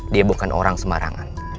dia bukan orang sembarangan